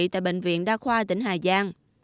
tại bệnh viện đa khoa tỉnh hà giang